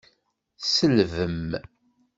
Tselbem.